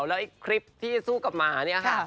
และอีกคลิปที่สู้กับหมานี่ค่ะ